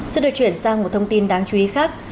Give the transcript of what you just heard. xin được chuyển sang một thông tin đáng chú ý khác